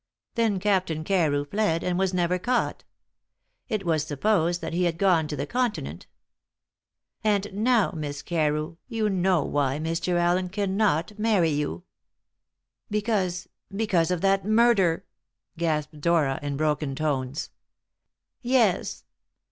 Then Captain Carew fled, and was never caught. It was supposed that he had gone to the Continent. And now, Miss Carew, you know why Mr. Allen cannot marry you." "Because because of that murder!" gasped Dora in broken tones. "Yes.